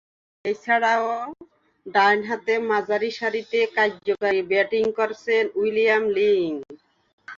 এছাড়াও, ডানহাতে মাঝারিসারিতে কার্যকরী ব্যাটিং করতেন উইলিয়াম লিং।